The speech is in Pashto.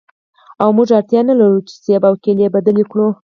او موږ اړتیا نلرو چې مڼې او کیلې بدلې کړو